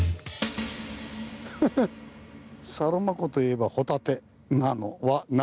「『サロマ湖といえばホタテ』なのはなぜ？」。